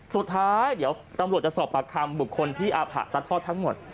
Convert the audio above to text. สุดท้ายเดี๋ยวตำรวจจะสอบปากคำบุคคลที่อาผะซัดทอดทั้งหมด